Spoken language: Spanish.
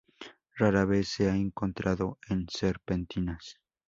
Rara vez se ha encontrado en serpentinas.